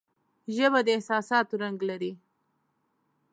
ژبه د احساساتو رنگ لري